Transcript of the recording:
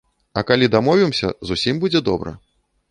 А калі дамовімся, зусім будзе добра.